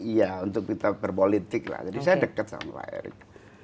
iya untuk kita berpolitik lah jadi saya dekat sama pak erick